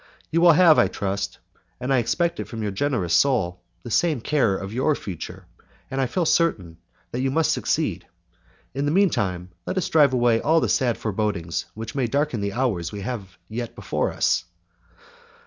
You will have, I trust, and I expect it from your generous soul, the same care of your future, and I feel certain that you must succeed. In the mean time, let us drive away all the sad forebodings which might darken the hours we have yet before us."